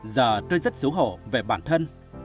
giờ tôi rất xấu hổ về bản thân